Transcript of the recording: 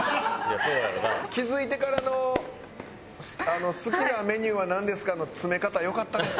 気付いてからの「好きなメニューはなんですか？」の詰め方良かったです。